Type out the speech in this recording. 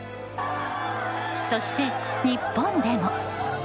そして、日本でも。